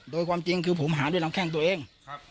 โดยความจริงคือผมหาด้วยลำแข้งตัวเอง